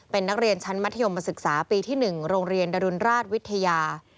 เป็นนักเรียนชั้นมัธยมศึกษาปีที่๑โรงเรียนดรุนราชวิทยา